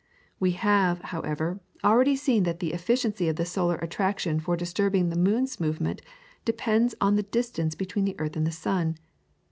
We have, however, already seen that the efficiency of the solar attraction for disturbing the moon's movement depends on the distance between the earth and the sun.